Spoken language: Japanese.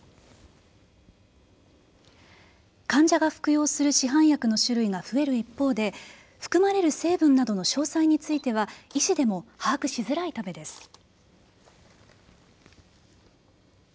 患者が服用する市販薬の種類が増える一方で含まれる成分などの詳細については医師でも把握しづらいためです。